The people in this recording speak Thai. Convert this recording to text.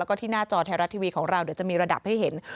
แล้วก็ที่หน้าจอไทยรัฐทีวีของเราเดี๋ยวจะมีระดับให้เห็น